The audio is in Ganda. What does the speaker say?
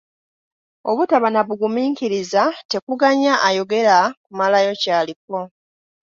Obutaba na bugumiikiriza tekuganya ayogera kumalayo ky'aliko.